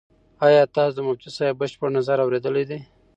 ایا تاسو د مفتي صاحب بشپړ نظر اورېدلی دی؟